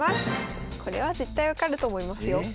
これは絶対分かると思いますよ。え？